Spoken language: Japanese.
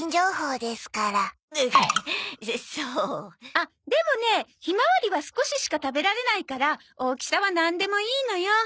あっでもねひまわりは少ししか食べられないから大きさはなんでもいいのよ。